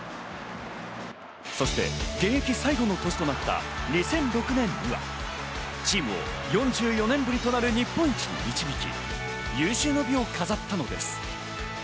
そして現役最後の年となった２００６年にはチームを４４年ぶりとなる日本一に導き、有終の美を飾ったのです。